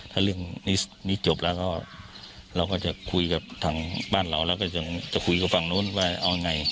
ถ้าเรื่องนี้จบแล้วก็เราก็จะคุยกับทางบ้านเราแล้วก็ยังจะคุยกับฝั่งนู้นว่าเอาไง